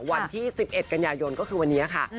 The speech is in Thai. วันที่๑๑กันยายนก็คือวันนี้ค่ะ